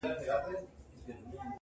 خلك پوه سول چي خبره د قسمت ده-